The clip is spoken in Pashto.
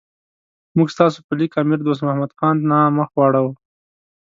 موږ ستاسو په لیک امیر دوست محمد خان نه مخ واړاو.